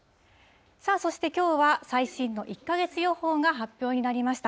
さあそして、きょうは最新の１か月予報が発表になりました。